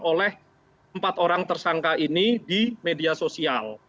oleh empat orang tersangka ini di media sosial